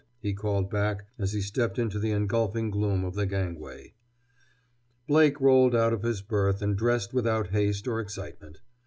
he called back as he stepped into the engulfing gloom of the gangway. Blake rolled out of his berth and dressed without haste or excitement.